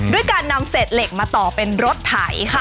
ด้วยการนำเศษเหล็กมาต่อเป็นรถไถค่ะ